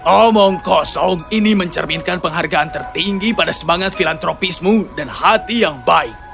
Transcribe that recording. omong kosong ini mencerminkan penghargaan tertinggi pada semangat filantropismu dan hati yang baik